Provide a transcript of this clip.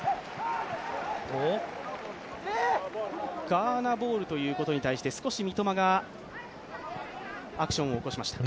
ガーナボールということに対して少し三笘がアクションを起こしました。